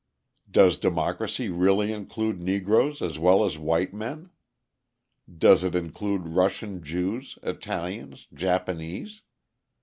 Does democracy really include Negroes as well as white men? Does it include Russian Jews, Italians, Japanese?